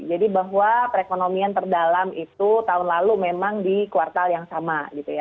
jadi bahwa perekonomian terdalam itu tahun lalu memang di kuartal yang sama